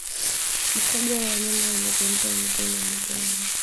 Mkojo wa wanyama wenye ugonjwa wa miguu na midomo